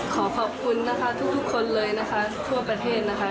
ขอขอบคุณนะคะทุกคนเลยนะคะทั่วประเทศนะคะ